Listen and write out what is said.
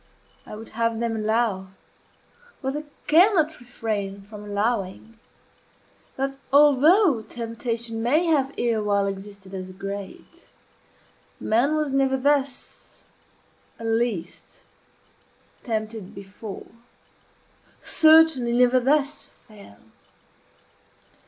I would have them allow what they cannot refrain from allowing that, although temptation may have erewhile existed as great, man was never thus, at least, tempted before certainly, never thus fell.